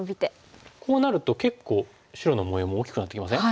こうなると結構白の模様も大きくなってきません？